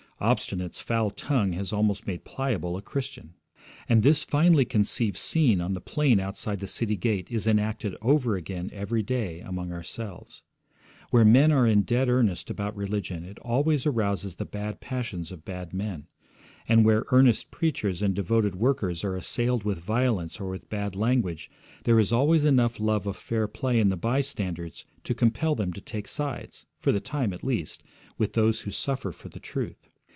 Obstinate's foul tongue has almost made Pliable a Christian. And this finely conceived scene on the plain outside the city gate is enacted over again every day among ourselves. Where men are in dead earnest about religion it always arouses the bad passions of bad men; and where earnest preachers and devoted workers are assailed with violence or with bad language, there is always enough love of fair play in the bystanders to compel them to take sides, for the time at least, with those who suffer for the truth.